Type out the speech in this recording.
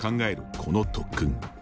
この特訓。